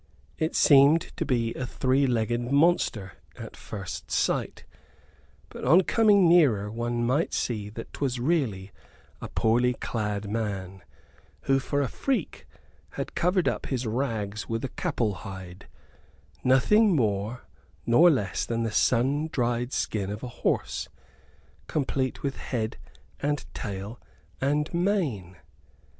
It seemed to be a three legged monster at first sight, but on coming nearer one might see that 'twas really a poorly clad man, who for a freak had covered up his rags with a capul hide, nothing more nor less than the sun dried skin of a horse, complete with head and tail and mane.